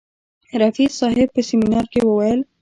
رفیع صاحب په سیمینار کې وویل.